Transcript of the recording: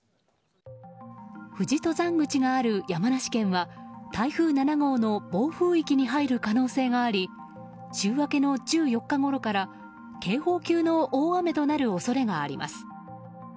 富士登山口がある山梨県は台風７号の暴風域に入る可能性があり週明けの１４日ごろから警報級の大雨となる恐れがあります。